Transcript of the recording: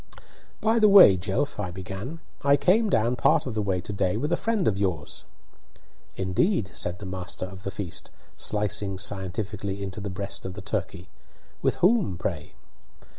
"By the way, Jelf," I began, "I came down part of the way to day with a friend of yours." "Indeed!" said the master of the feast, slicing scientifically into the breast of the turkey. "With whom, pray?"